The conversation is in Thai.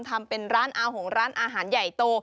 ทำเป็นร้านอาหงร้านอาหารใหญ่โต